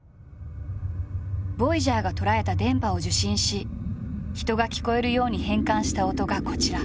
ボイジャーがとらえた電波を受信し人が聞こえるように変換した音がこちら。